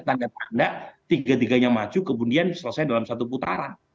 tanda tanda tiga tiganya maju kemudian selesai dalam satu putaran